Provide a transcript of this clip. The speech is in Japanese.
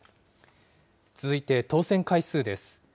続いて当選回数です。